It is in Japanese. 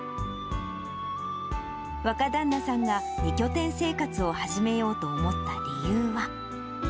若旦那さんが２拠点生活を始めようと思った理由は。